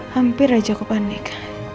hampir aja aku panik